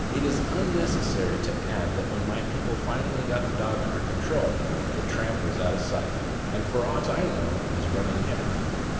It is unnecessary to add that when my people finally got the dog under control the tramp was out of sight, and for aught I know is running yet.